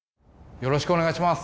よろしくお願いします！